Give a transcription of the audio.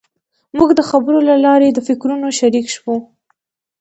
موږ د خبرو له لارې د فکرونو شریک شوو.